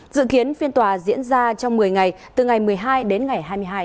dự kiến phiên tòa diễn ra trong một mươi ngày từ ngày một mươi hai đến ngày hai mươi hai tháng chín